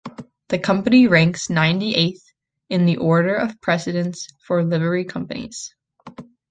The Company ranks ninety-eighth in the order of precedence for Livery Companies.